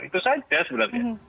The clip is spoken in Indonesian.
itu saja sebenarnya